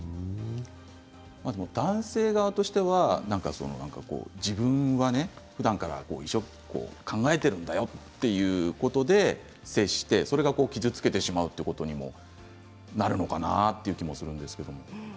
男性側としては自分はね、ふだんから考えているんだよということで、接してそれが傷つけてしまうということにもなるのかなという気もするんですが。